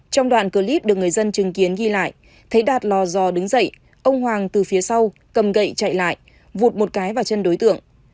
trong đoạn clip được người dân chứng kiến ghi lại thấy đạt lò giò đứng dậy ông hoàng từ phía sau cầm gậy chạy lại vụt một cái vào chân đối tượng